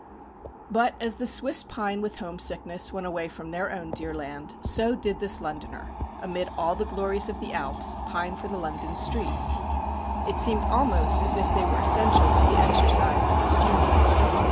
But as the Swiss pine with home sickness when away from their own dear land, so did this Londoner, amid all the glories of the Alps, pine for the London streets. It seemed almost as if they were essential to the exercise of his genius.